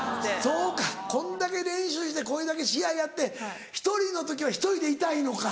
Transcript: そうかこんだけ練習してこれだけ試合やって１人の時は１人でいたいのか。